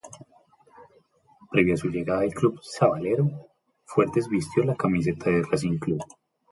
Previo a su llegada al club "sabalero", Fuertes vistió la camiseta de Racing Club.